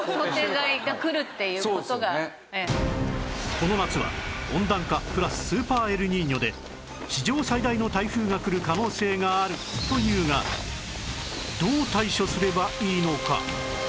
この夏は温暖化プラススーパーエルニーニョで史上最大の台風が来る可能性があるというがどう対処すればいいのか？